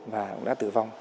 và cũng đã tử vong